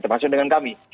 termasuk dengan kami